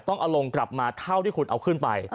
ต้องเอาลงกลับมาเท่าที่คุณเอาขึ้นไป